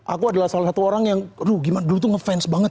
aku adalah salah satu orang yang aduh gimana dulu tuh ngefans banget